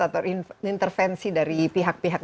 atau intervensi dari pihak pihak